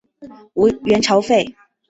元朝废。